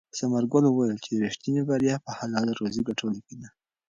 ثمرګل وویل چې ریښتینې بریا په حلاله روزي ګټلو کې ده.